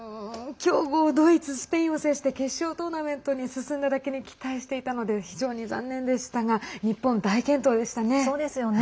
強豪ドイツ、スペインを制して決勝トーナメントに進んだだけに期待していたので非常に残念でしたがそうですよね。